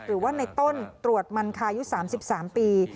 หรือว่าในต้นตรวจมันคายุ๓๓ปี